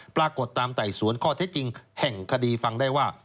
ปรากฏตามไต่สวนข้อเท็จจริงแห่งคดีฟังได้ว่า